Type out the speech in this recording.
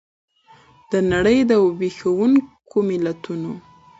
دنړۍ ویښوونکي متلونه!